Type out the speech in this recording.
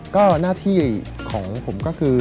ก็หน้าที่ของผมก็คือ